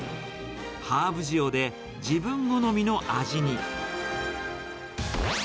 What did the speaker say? ハーブ塩で自分好みの味に。